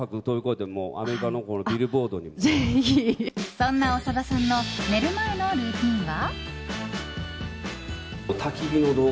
そんな長田さんの寝る前のルーティンは。